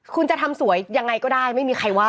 คุณจะทำสวยยังไงก็ได้ไม่มีใครว่า